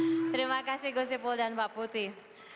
baik terima kasih gus sipul dan mbak putih